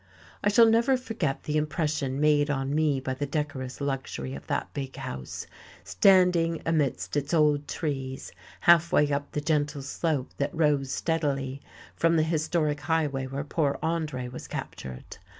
I shall never forget the impression made on me by the decorous luxury of that big house, standing amidst its old trees, halfway up the gentle slope that rose steadily from the historic highway where poor Andre was captured.